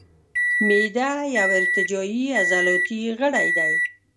معده یو ارتجاعي عضلاتي غړی دی.